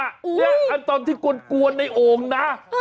นี่อันตอนที่กวนในโอ่งนะ